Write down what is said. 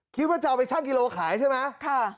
คิดว่าจะเอาไปชั่งกิโลขายใช่ไหม